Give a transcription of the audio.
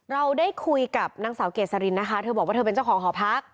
เราได้คุยกับนางสาวเกษรินนะคะเธอบอกว่าเธอเป็นเจ้าของหอพัก